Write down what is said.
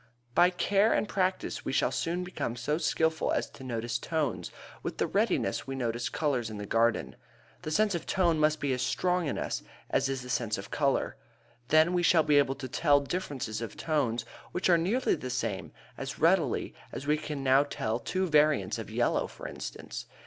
By care and practice we soon become so skilful as to notice tones with the readiness we notice colors in the garden. The sense of tone must be as strong in us as is the sense of color. Then we shall be able to tell differences of tones which are nearly the same, as readily as we can now tell two varieties of yellow, for instance.